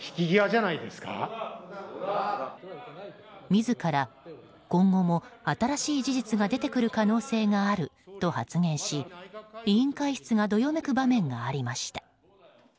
自ら、今後も新しい事実が出てくる可能性があると発言し委員会室がどよめく場面がありました。